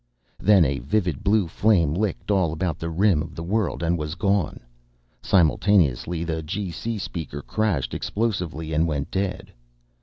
Then a vivid blue flame licked all about the rim of the world and was gone. Simultaneously the G.C. speaker crashed explosively and went dead.